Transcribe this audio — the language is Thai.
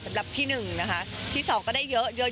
สำหรับพี่หนึ่งนะคะที่๒ก็ได้เยอะเยอะ